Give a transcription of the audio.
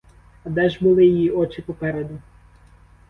А де ж були її очі попереду?